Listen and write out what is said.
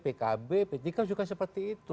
pkb ptk juga seperti itu